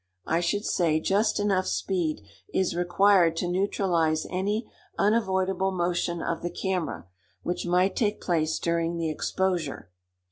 I should say just enough speed is required to neutralize any unavoidable motion of the camera which might take place during the exposure.